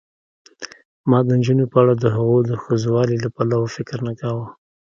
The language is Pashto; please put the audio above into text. ما د نجونو په اړه دهغو د ښځوالي له پلوه فکر نه کاوه.